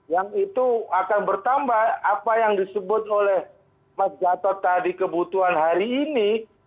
yang itu akan bertambah apa yang disebut oleh mas gatot tadi kebutuhan hari ini